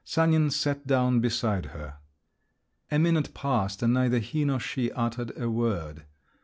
Sanin sat down beside her. A minute passed, and neither he nor she uttered a word.